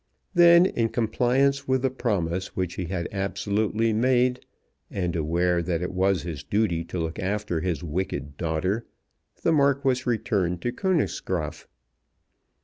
Then, in compliance with the promise which he had absolutely made, and aware that it was his duty to look after his wicked daughter, the Marquis returned to Königsgraaf.